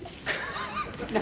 何。